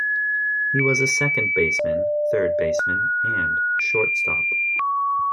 He was a second baseman, third baseman and shortstop.